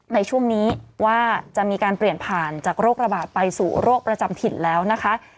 ในช่วงนี้ว่าจะมีการเปลี่ยนผ่านจากโรคระบาดไปสู่โรคประจำถิ่นแล้วนะคะ